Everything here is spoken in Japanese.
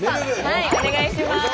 はいお願いします。